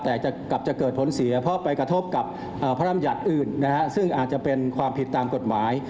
แต่กลับจะเกิดผลเสียเพราะไปกระทบกับพระรำยัติอื่นซึ่งอาจจะเป็นความผิดตามกฎหมาย